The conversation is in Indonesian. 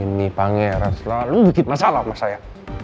ini pangeran selalu gigit masalah sama saya